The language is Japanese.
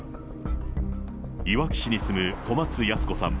いわき市に住む小松ヤス子さん